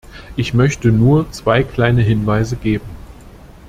Ich möchte nur zwei kleine Hinweise geben.